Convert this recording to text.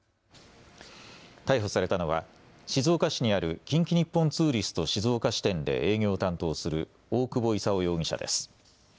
逮捕されたのは静岡市にある近畿日本ツーリスト静岡支店で営業を担当する大久保功容疑者です。